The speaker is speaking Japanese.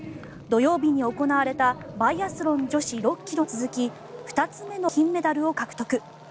土曜日に行われたバイアスロン女子６ｋｍに続き２つ目の金メダルを獲得。